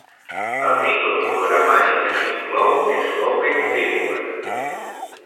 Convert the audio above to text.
El microprogramari que s'inclou és l'Open Firmware.